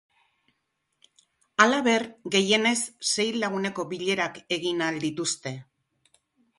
Halaber, gehienez sei laguneko bilerak egin ahal dituzte.